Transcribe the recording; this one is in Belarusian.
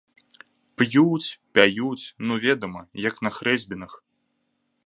П'юць, пяюць, ну, ведама, як на хрэсьбінах.